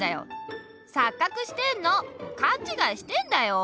さっかくしてんの。かんちがいしてんだよ。